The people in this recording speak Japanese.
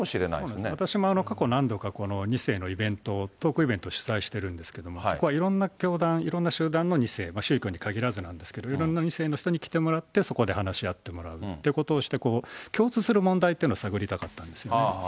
私も過去何度か２世のイベント、トークイベント主催しているんですけれども、そこはいろんな教団、いろんな集団の２世、宗教に限らずなんですけど、いろんな２世の人に来てもらって、そこで話し合ってもらうってことをして、共通する問題っていうのを探りたかったんですよね。